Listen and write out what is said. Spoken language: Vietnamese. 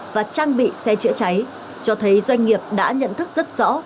và trang bị xe chữa cháy cho thấy doanh nghiệp đã nhận thức rất rõ